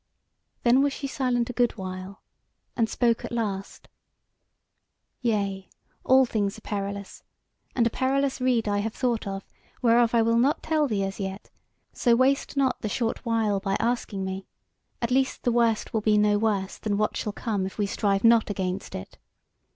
Then was she silent a good while, and spoke at last: "Yea, all things are perilous, and a perilous rede I have thought of, whereof I will not tell thee as yet; so waste not the short while by asking me. At least the worst will be no worse than what shall come if we strive not against it.